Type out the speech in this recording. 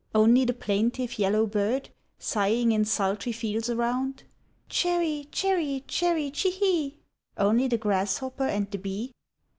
Only the plaintive yellow bird Sighing in sultry fields around, Chary, chary, chary, chee ee! Only the grasshopper and the bee?